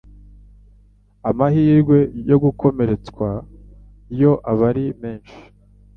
amahirwe yo gukomeretswa yo aba ari menshi.